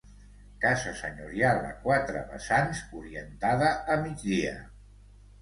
Casa senyorial a quatre vessants, orientada a migdia.